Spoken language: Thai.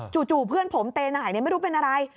เพื่อนผมเตหน่ายไม่รู้เป็นอะไร